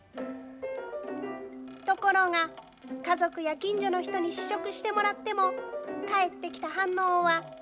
ところが、家族や近所の人に試食してもらっても、返ってきた反応は。